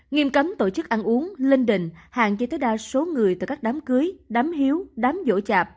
nghiêm cấm tổ chức ăn uống linh đình hạn chế tối đa số người từ các đám cưới đám hiếu đám vỗ chạp